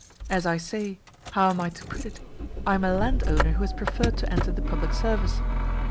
As I say (how am I to put it?), I am a landowner who has preferred to enter the Public Service.